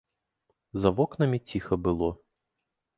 За вокнамі ціха было.